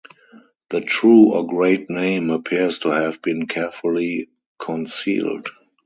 The true or great name appears to have been carefully concealed.